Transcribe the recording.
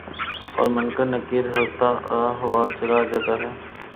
اور منکر نکیرہستہ ہوا چلا جاتا ہے